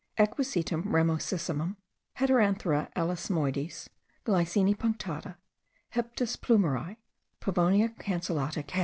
Equisetum ramosissimum, Heteranthera alismoides, Glycine punctata, Hyptis Plumeri, Pavonia cancellata, Cav.